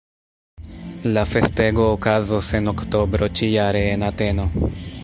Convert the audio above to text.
La festego okazos en oktobro ĉi-jare en Ateno.